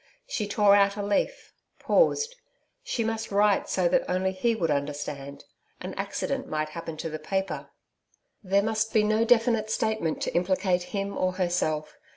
She tore out a leaf paused She must write so that only he would understand. An accident might happen to the paper. There must be no definite statement to implicate him or herself.